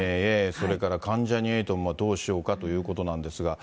それから関ジャニ∞もどうしようかということなんですが。